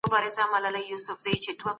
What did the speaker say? دا هم لوی خدمت دی.